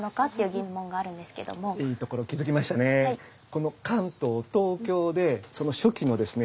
この関東東京でその初期のですね